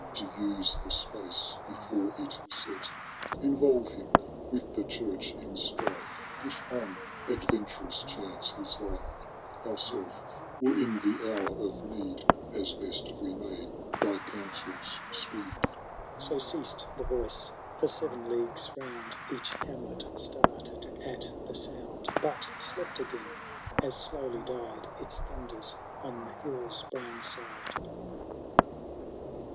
To use the space before it set. Involve him with the church in strife. Push on adventurous chance his life ; Ourself will in the hour of need. As best we may, thy counsels speed.'' So ceased the Voice ; for seven leagues round Each hamlet started at the sound ; But slept again, as slowly died Its thunders on the hill'a brown side.